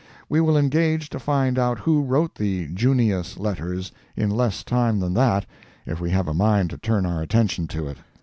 We will engage to find out who wrote the "Junius Letters" in less time than that, if we have a mind to turn our attention to it.